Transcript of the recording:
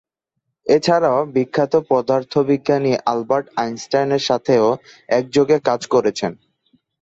এছাড়াও, বিখ্যাত পদার্থবিজ্ঞানী আলবার্ট আইনস্টাইনের সাথেও একযোগে কাজ করেছেন।